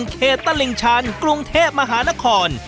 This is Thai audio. ตลิ่งชันกรุงเทพมหานคร